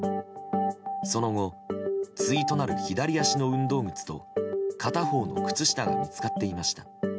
その後、対となる左足の運動靴と片方の靴下が見つかっていました。